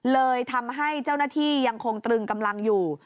เลยทำให้เจ้าหน้าที่ยังคงตรึงกำลังอยู่